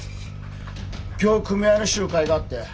今日組合の集会があって。